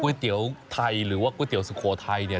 ก๋วยเตี๋ยวไทยหรือว่าก๋วยเตี๋ยวสุโครไทยเนี่ย